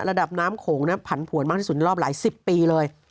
ระดับน้ำโขงผันผวนมากที่สุดในรอบหลายสิบปีเลย